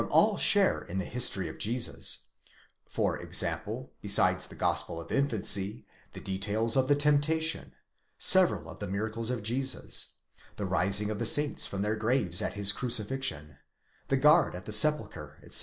all share in the history of Jesus ; for example, besides the Gospel of Infancy, the details of the temptation ; several of the miracles of Jesus; the rising of the saints from their graves at his crucifixion; the guard at the sepulchre, etc.